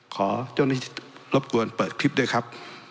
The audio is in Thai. ขอเจ้าหน้าที่รบกวนเปิดคลิปด้วยครับ